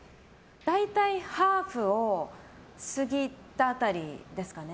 大体ハーフを過ぎた辺りですかね。